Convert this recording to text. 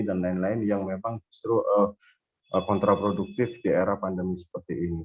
dan lain lain yang memang justru kontraproduktif di era pandemi seperti ini